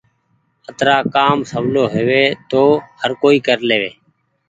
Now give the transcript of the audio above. اترآ ڪآم سولو هووي تو هر ڪو ڪر ليوي۔